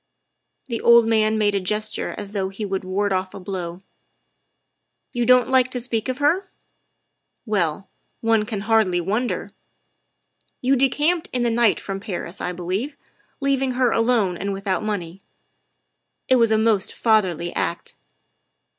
The old man made a gesture as though he would ward off a blow. THE SECRETARY OF STATE 27 " You don't like to speak of her? Well, one can hardly wonder. You decamped in the night from Paris, I believe, leaving her alone and without money; it was a most fatherly act.